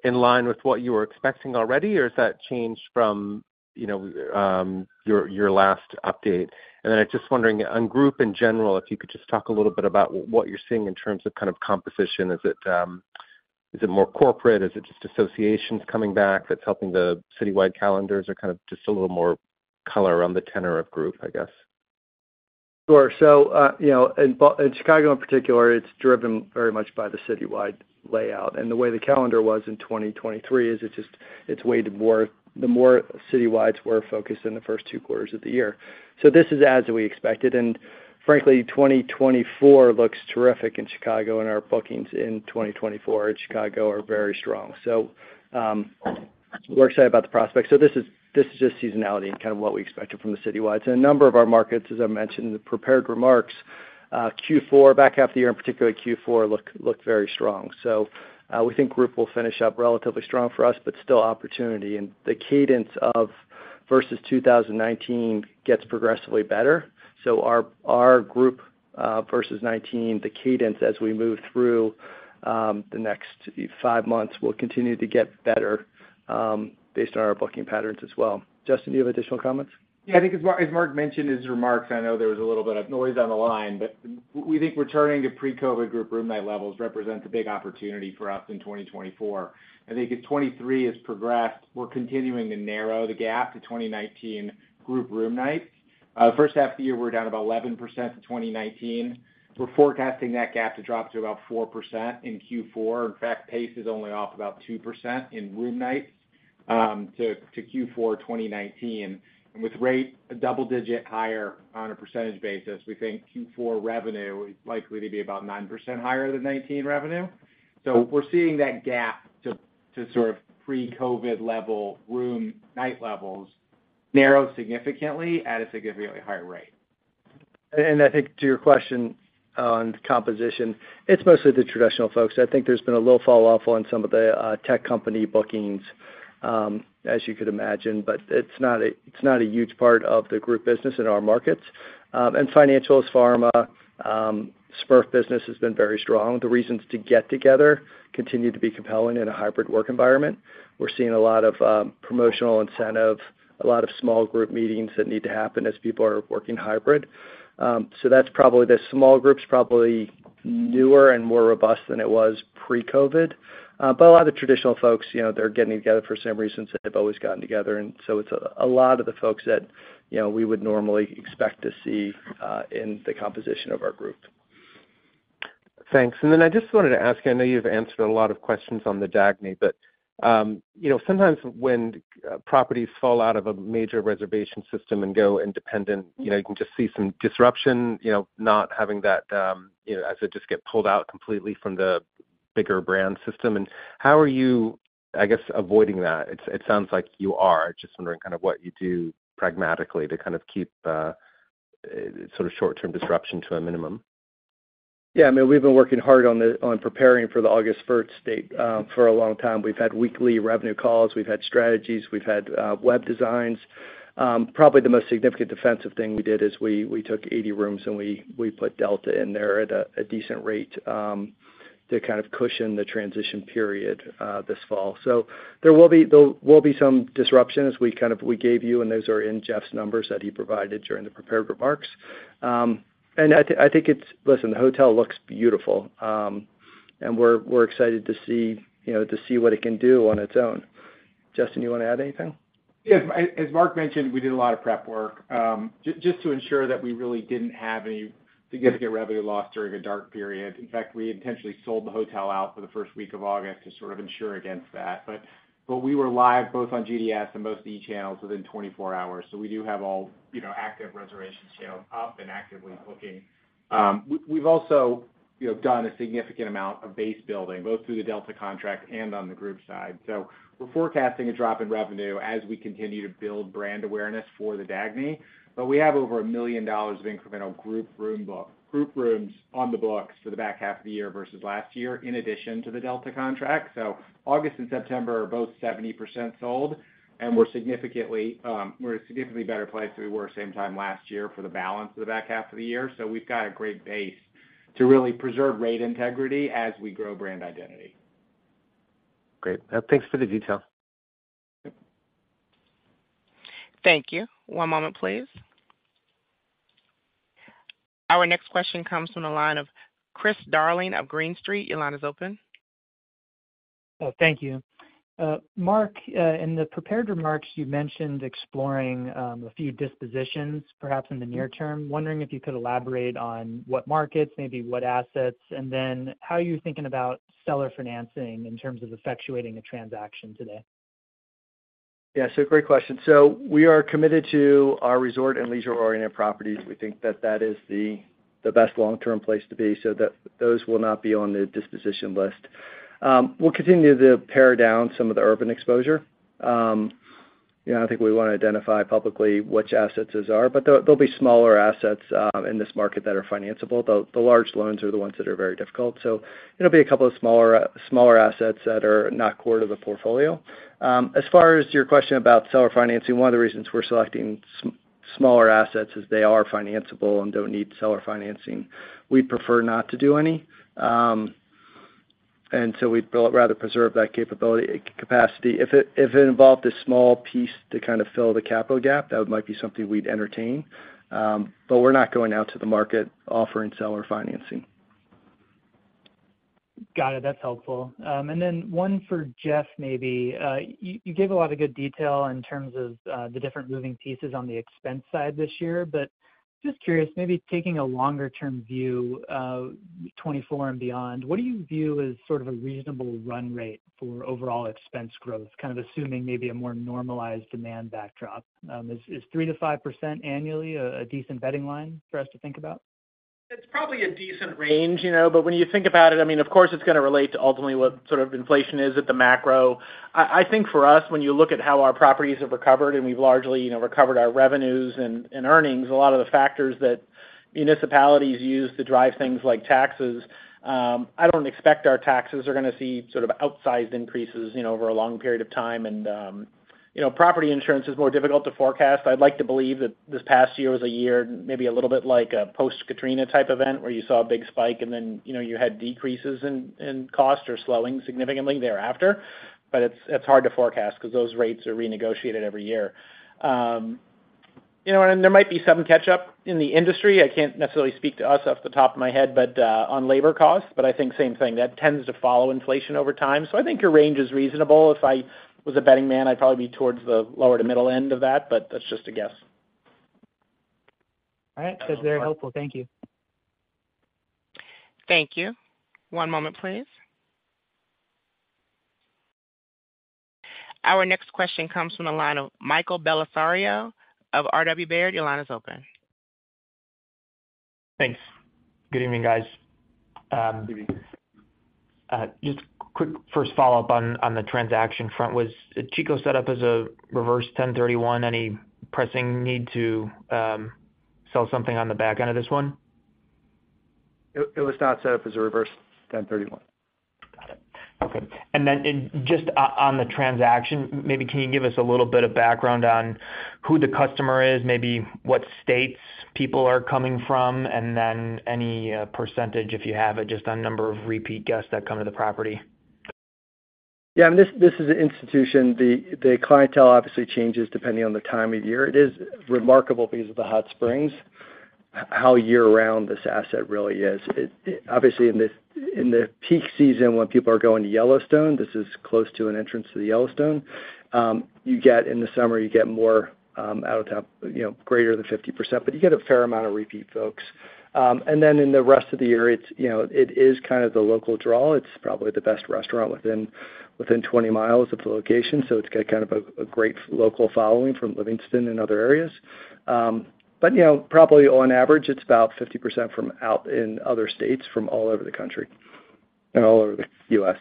in line with what you were expecting already, or has that changed from, you know, your, your last update? I'm just wondering, on group in general, if you could just talk a little bit about what you're seeing in terms of kind of composition. Is it, is it more corporate? Is it just associations coming back that's helping the citywide calendars? Kind of just a little more color around the tenor of group, I guess. Sure. You know, in Chicago, in particular, it's driven very much by the citywide layout. The way the calendar was in 2023, is it just, it's weighted more, the more citywides were focused in the first two quarters of the year. This is as we expected, and frankly, 2024 looks terrific in Chicago, and our bookings in 2024 in Chicago are very strong. We're excited about the prospects. This is, this is just seasonality and kind of what we expected from the citywide. A number of our markets, as I mentioned in the prepared remarks, Q4, back half of the year, and particularly Q4, look, look very strong. We think group will finish up relatively strong for us, but still opportunity. The cadence of versus 2019 gets progressively better. Our, our group, versus 2019, the cadence as we move through, the next 5 months, will continue to get better, based on our booking patterns as well. Justin, do you have additional comments? Yeah, I think as Mark mentioned in his remarks, I know there was a little bit of noise on the line, but we think returning to pre-COVID group room night levels represents a big opportunity for us in 2024. I think as '23 has progressed, we're continuing to narrow the gap to 2019 group room nights. First half of the year, we're down about 11% to 2019. We're forecasting that gap to drop to about 4% in Q4. In fact, pace is only off about 2% in room nights, to Q4 2019. With rate double digit higher on a percentage basis, we think Q4 revenue is likely to be about 9% higher than '19 revenue. we're seeing that gap to, to sort of pre-COVID level, room night levels, narrow significantly at a significantly higher rate. I think to your question on composition, it's mostly the traditional folks. I think there's been a little fall off on some of the tech company bookings, as you could imagine, but it's not a, it's not a huge part of the group business in our markets. Financials, pharma, SMERF business has been very strong. The reasons to get together continue to be compelling in a hybrid work environment. We're seeing a lot of promotional incentive, a lot of small group meetings that need to happen as people are working hybrid. So that's probably, the small group's probably newer and more robust than it was pre-COVID. A lot of the traditional folks, you know, they're getting together for some reasons they've always gotten together, and so it's a, a lot of the folks that, you know, we would normally expect to see in the composition of our group.... Thanks. Then I just wanted to ask you, I know you've answered a lot of questions on the Dagny, but, you know, sometimes when properties fall out of a major reservation system and go independent, you know, you can just see some disruption, you know, not having that, you know, as it just get pulled out completely from the bigger brand system. How are you, I guess, avoiding that? It, it sounds like you are. Just wondering kind of what you do pragmatically to kind of keep sort of short-term disruption to a minimum. Yeah, I mean, we've been working hard on preparing for the August 1st date for a long time. We've had weekly revenue calls, we've had strategies, we've had web designs. Probably the most significant defensive thing we did is we, we took 80 rooms, and we, we put Delta in there at a decent rate to kind of cushion the transition period this fall. There will be some disruption we gave you, and those are in Jeff's numbers that he provided during the prepared remarks. Listen, the hotel looks beautiful, and we're, we're excited to see, you know, to see what it can do on its own. Justin, you want to add anything? Yeah. As, as Mark mentioned, we did a lot of prep work, just to ensure that we really didn't have any significant revenue loss during a dark period. In fact, we intentionally sold the hotel out for the first week of August to sort of ensure against that. But we were live both on GDS and most e-channels within 24 hours, so we do have all, you know, active reservation scale up and actively booking. We've also, you know, done a significant amount of base building, both through the Delta contract and on the group side. We're forecasting a drop in revenue as we continue to build brand awareness for the Dagny, but we have over $1 million of incremental group rooms on the books for the back half of the year versus last year, in addition to the Delta contract. August and September are both 70% sold, and we're significantly, we're in a significantly better place than we were same time last year for the balance of the back half of the year. We've got a great base to really preserve rate integrity as we grow brand identity. Great. Thanks for the detail. Thank you. One moment, please. Our next question comes from the line of Chris Darling of Green Street. Your line is open. Oh, thank you. Mark, in the prepared remarks, you mentioned exploring a few dispositions, perhaps in the near term. Wondering if you could elaborate on what markets, maybe what assets, and then how are you thinking about seller financing in terms of effectuating a transaction today? Great question. We are committed to our resort and leisure-oriented properties. We think that that is the best long-term place to be, those will not be on the disposition list. We'll continue to pare down some of the urban exposure. You know, I don't think we want to identify publicly which assets those are, but there'll be smaller assets in this market that are financeable, though the large loans are the ones that are very difficult. It'll be a couple of smaller, smaller assets that are not core to the portfolio. As far as your question about seller financing, one of the reasons we're selecting smaller assets is they are financeable and don't need seller financing. We'd prefer not to do any, we'd rather preserve that capability, capacity. If it, if it involved a small piece to kind of fill the capital gap, that might be something we'd entertain, but we're not going out to the market offering seller financing. Got it. That's helpful. Then one for Jeff, maybe. You, you gave a lot of good detail in terms of the different moving pieces on the expense side this year, but just curious, maybe taking a longer-term view, 2024 and beyond, what do you view as sort of a reasonable run rate for overall expense growth, kind of assuming maybe a more normalized demand backdrop? Is, is 3%-5% annually a, a decent betting line for us to think about? It's probably a decent range, you know, but when you think about it, I mean, of course, it's going to relate to ultimately what sort of inflation is at the macro. I, I think for us, when you look at how our properties have recovered, and we've largely, you know, recovered our revenues and, and earnings, a lot of the factors that municipalities use to drive things like taxes, I don't expect our taxes are going to see sort of outsized increases, you know, over a long period of time. Property insurance is more difficult to forecast. I'd like to believe that this past year was a year, maybe a little bit like a post-Katrina type event, where you saw a big spike and then, you know, you had decreases in, in cost or slowing significantly thereafter. It's, it's hard to forecast because those rates are renegotiated every year. You know, and there might be some catch up in the industry. I can't necessarily speak to us off the top of my head, but on labor costs, but I think same thing, that tends to follow inflation over time. I think your range is reasonable. If I was a betting man, I'd probably be towards the lower to middle end of that, but that's just a guess. All right. That's very helpful. Thank you. Thank you. One moment, please. Our next question comes from the line of Michael Bellisario of RW Baird. Your line is open. Thanks. Good evening, guys. Good evening. Just quick first follow-up on, on the transaction front. Was Chico set up as a reverse 1031? Any pressing need to sell something on the back end of this one? It, it was not set up as a reverse 1031. Got it. Okay. Then just on the transaction, maybe can you give us a little bit of background on who the customer is, maybe what states people are coming from, and then any percentage, if you have it, just on number of repeat guests that come to the property? Yeah, this, this is an institution. The, the clientele obviously changes depending on the time of year. It is remarkable because of the Hot Springs, how year-round this asset really is. Obviously, in the, in the peak season, when people are going to Yellowstone, this is close to an entrance to the Yellowstone. You get, in the summer, you get more out of town, you know, greater than 50%, but you get a fair amount of repeat folks. Then in the rest of the year, it's, you know, it is kind of the local draw. It's probably the best restaurant within, within 20 miles of the location, so it's got kind of a, a great local following from Livingston and other areas. You know, probably on average, it's about 50% from out in other states, from all over the country and all over the U.S.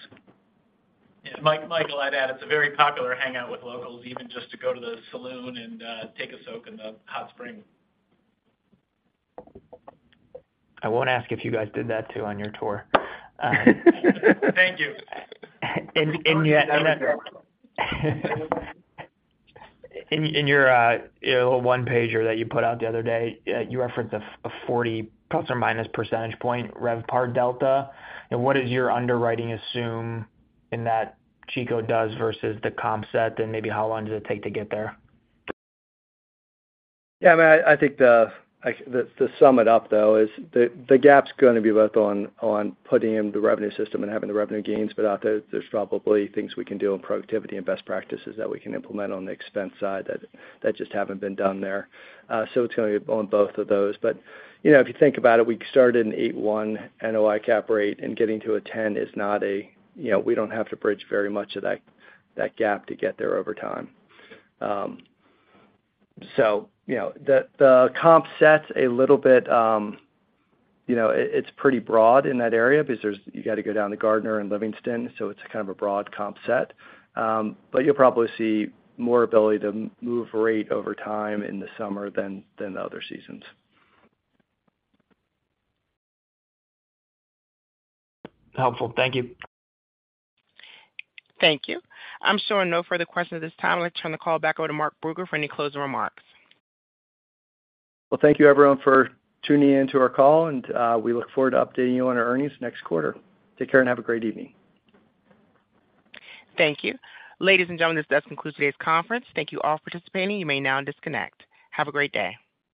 Mike, Michael, I'd add, it's a very popular hangout with locals, even just to go to the saloon and take a soak in the hot spring. I won't ask if you guys did that, too, on your tour. Thank you. Yet- In your, you know, 1-pager that you put out the other day, you referenced a 40 ± percentage point RevPAR delta. What does your underwriting assume in that Chico does versus the comp set, and maybe how long does it take to get there? Yeah, I mean, I think the, like, to sum it up, though, is the, the gap's gonna be both on, on putting in the revenue system and having the revenue gains, but out there, there's probably things we can do on productivity and best practices that we can implement on the expense side that, that just haven't been done there. It's gonna be on both of those. You know, if you think about it, we started an 8.1 NOI cap rate, and getting to a 10 is not a, you know, we don't have to bridge very much of that, that gap to get there over time. You know, the, the comp set's a little bit, you know, it, it's pretty broad in that area because there's... You got to go down to Gardiner and Livingston, it's kind of a broad comp set. You'll probably see more ability to move rate over time in the summer than, than the other seasons. Helpful. Thank you. Thank you. I'm showing no further questions at this time. Let's turn the call back over to Mark Brugger for any closing remarks. Well, thank you, everyone, for tuning in to our call, and we look forward to updating you on our earnings next quarter. Take care and have a great evening. Thank you. Ladies and gentlemen, this does conclude today's conference. Thank you all for participating. You may now disconnect. Have a great day.